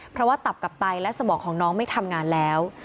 เพราะว่าตับกับไตและสมองของน้องไม่ทำงานแล้ว